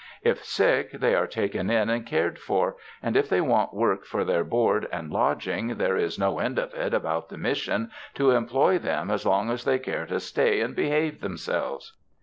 If sick, they are taken in and cared for, and if they want work for their board and lodging, there is no end of it about the Mission to employ them as long as they care to stay and behave themselves.